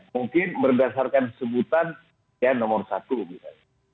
mungkin berdasarkan sebutan ya nomor satu misalnya